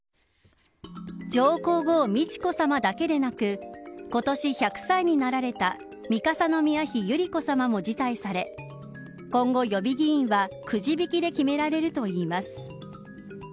上皇后美智子さまだけでなく今年１００歳になられた三笠宮妃百合子さまも辞退され今後、予備議員はくじ引きで決められるといいます。